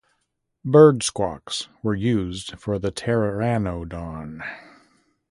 Bird squawks were used for the Pteranodon.